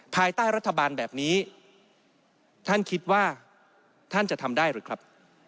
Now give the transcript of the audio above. ภายใต้รัฐบาลแบบนี้ท่านคิดว่าท่านจะทำได้หรือครับ